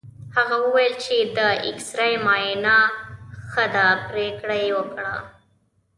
هغه وویل چې د اېکسرې معاینه ښه ده، پرېکړه یې وکړه.